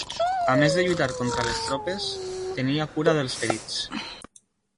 A més de lluitar contra les tropes, tenia cura dels ferits.